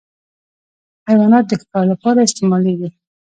حیوانات د ښکار لپاره استعمالېږي.